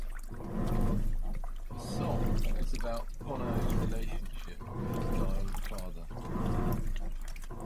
The song is about Bono's relationship with his dying father.